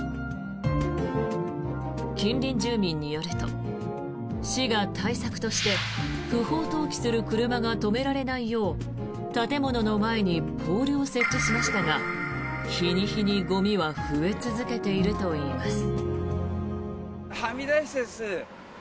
近隣住民によると市が対策として不法投棄する車が止められないよう建物の前にポールを設置しましたが日に日にゴミは増え続けているといいます。